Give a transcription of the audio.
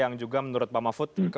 yang juga menurut pak mahfud